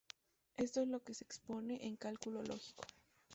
Esto es lo que se expone en cálculo lógico.